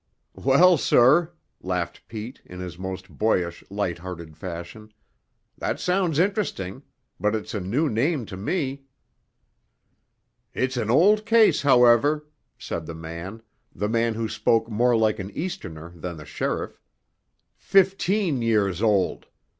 "Well, sir," laughed Pete, in his most boyish, light hearted fashion, "that sounds interesting. But it's a new name to me." "It's an old case, however," said the man, the man who spoke more like an Easterner than the sheriff. "Fifteen years old!